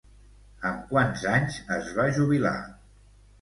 Amb quants anys es va jubilar?